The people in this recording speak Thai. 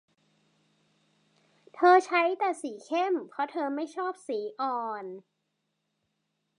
เธอใช้แต่สีเข้มเพราะเธอไม่ชอบสีอ่อน